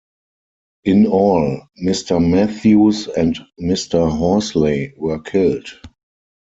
In all, Mr. Matthews and Mr.Horsley were killed.